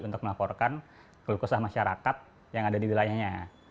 untuk melaporkan kelukusan masyarakat yang ada di wilayahnya